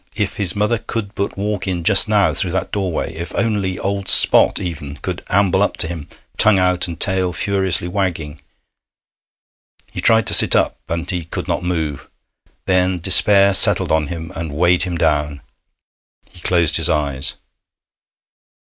If his mother could but walk in just now through that doorway! If only old Spot even could amble up to him, tongue out and tail furiously wagging! He tried to sit up, and he could not move! Then despair settled on him, and weighed him down. He closed his eyes.